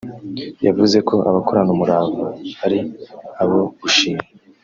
yavuze ko “Abakoranamurava” ari abo gushimwa